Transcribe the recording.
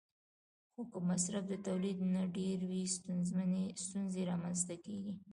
خو که مصرف د تولید نه ډېر وي، ستونزې رامنځته کېږي.